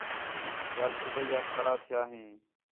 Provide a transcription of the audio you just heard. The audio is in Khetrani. ٻِیال صُبیح آ کھڑا تِھیا ہیں